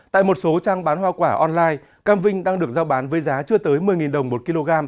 tại một số trang bán hoa quả online cam vinh đang được giao bán với giá chưa tới một mươi đồng một kg